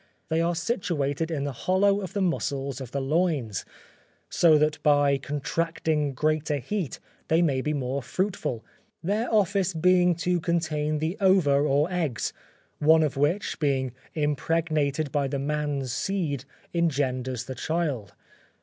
They are situated in the hollow of the muscles of the loins, so that, by contracting greater heat, they may be more fruitful, their office being to contain the ova or eggs, one of which, being impregnated by the man's seed engenders the child.